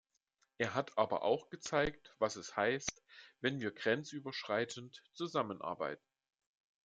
Er hat aber auch gezeigt, was es heißt, wenn wir grenzüberschreitend zusammenarbeiten.